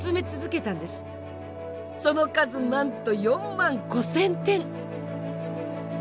その数なんと４万５，０００点！